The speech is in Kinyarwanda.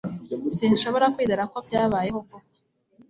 Sinshobora kwizera ko byabayeho koko